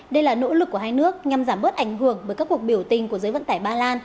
đây là nỗ lực của hai nước nhằm giảm bớt ảnh hưởng bởi các cuộc biểu tình của giới vận tải ba lan